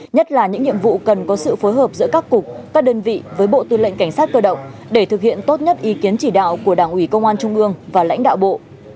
nhất là những nhiệm vụ cần có sự phối hợp giữa các cục các đơn vị với bộ tư lệnh cảnh sát cơ động để thực hiện tốt nhất ý kiến chỉ đạo của đảng ủy công an trung ương và lãnh đạo bộ